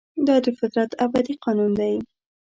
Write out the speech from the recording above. دا د فطرت ابدي قانون دی.